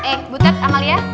eh butet amalia